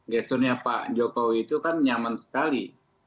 gesturnya pak jokowi itu kan nyaman sekali